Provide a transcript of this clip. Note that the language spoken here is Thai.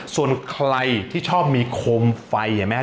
ส่วนใครที่ชอบมีโคมไฟเห็นไหมครับ